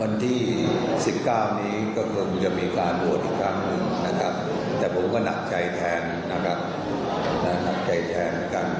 อยากจะเอาความหนึ่งนะครับแต่ผมก็หนักใจแทน